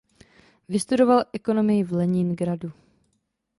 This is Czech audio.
Vystudoval ekonomii v Leningradu.